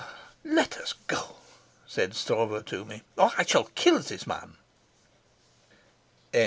"Let us go," said Stroeve to me, "or I shall kill this man."